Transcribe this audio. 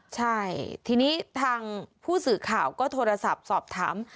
ใช่ทีนี้ทางผู้สื่อข่าวก็โทรศัพท์สอบถาม